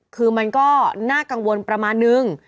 คือมันก็น่ากังวลประมาณนึง